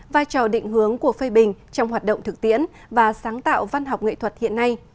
vai trò định hướng của phê bình trong hoạt động thực tiễn và sáng tạo văn học nghệ thuật hiện nay